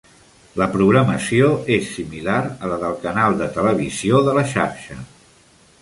La programació és similar a la del canal de televisió de la xarxa.